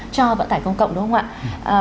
cho vận tải công cộng đúng không ạ